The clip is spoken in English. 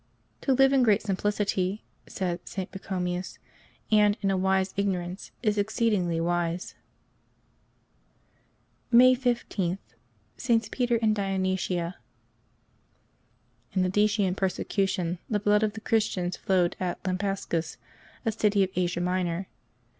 — "To live in great simplicity,'* s^d St. Pachomius, " and in a wise ignorance, is exceeding wise.'' May 15.— STS. PETER and DIONYSIA. IN the Decian persecution the blood of the Christians flowed at Lampsacus, a city of Asia Minor.